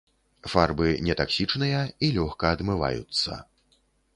Фарбы не таксічныя і лёгка адмываюцца.